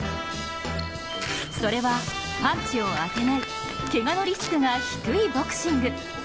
それはパンチを当てない、けがのリスクが低いボクシング。